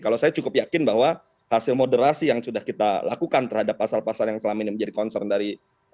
kalau saya cukup yakin bahwa hasil moderasi yang sudah kita lakukan terhadap pasal pasal yang selama ini menjadi concern dari